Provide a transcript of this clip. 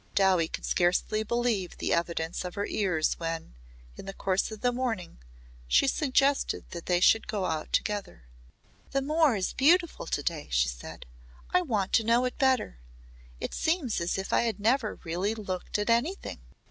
Dowie could scarcely believe the evidence of her ears when, in the course of the morning, she suggested that they should go out together. "The moor is beautiful to day," she said. "I want to know it better. It seems as if I had never really looked at anything."